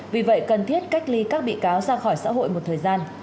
vì vậy cần thiết cách ly các bị cáo ra khỏi xã hội một thời gian